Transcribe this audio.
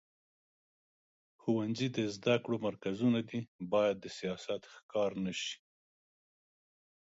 ښوونځي د زده کړو مرکزونه دي، باید د سیاست ښکار نه شي.